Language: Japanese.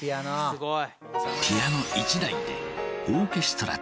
すごい。